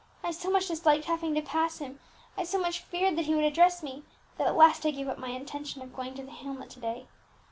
I so much disliked having to pass him, I so much feared that he would address me, that at last I gave up my intention of going to the hamlet to day.